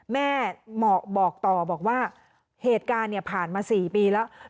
แม่บอกต่อบอกว่าเหตุการณ์ผ่านมา๔ปีแล้ว